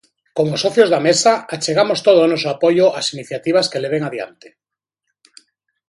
Como socios da Mesa, achegamos todo o noso apoio ás iniciativas que leven adiante.